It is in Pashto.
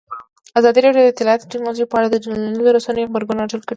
ازادي راډیو د اطلاعاتی تکنالوژي په اړه د ټولنیزو رسنیو غبرګونونه راټول کړي.